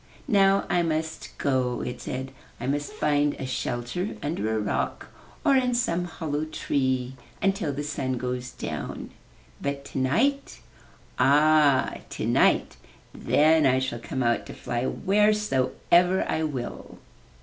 *'Now I must go/' it said. ''I must find a shelter under a rock or in some hollow tree until the sun goes down. But tonight — ah, tonight ! Then I shall come out to fly wheresoever I will.'